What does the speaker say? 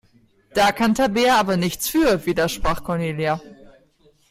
Da kann Tabea aber nichts für, widersprach Cornelia.